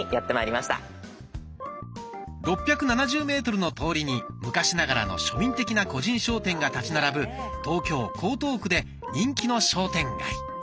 ６７０メートルの通りに昔ながらの庶民的な個人商店が立ち並ぶ東京・江東区で人気の商店街。